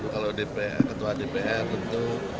ketua dpr tentu